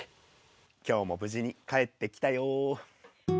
今日も無事に帰ってきたよ。